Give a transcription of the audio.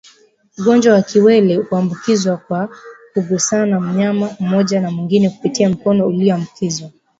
Ugonjwa wa kiwele huambukizwa kwa kugusana mnyama mmoja na mwingine kupitia mikono iliyoambukizwa